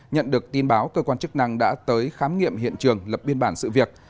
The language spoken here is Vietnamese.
nhận được tin báo cơ quan chức năng đã tới khám nghiệm hiện trường lập biên bản sự việc